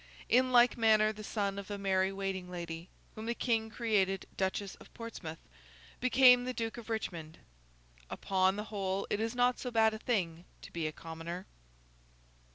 In like manner the son of a merry waiting lady, whom the King created Duchess Of Portsmouth, became the Duke of Richmond. Upon the whole it is not so bad a thing to be a commoner.